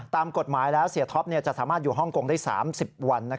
ตามกฎหมายแล้วเสียท็อปจะสามารถอยู่ฮ่องกงได้๓๐วัน